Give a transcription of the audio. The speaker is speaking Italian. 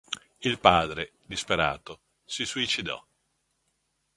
Il padre, disperato, si suicidò.